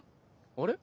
あれ？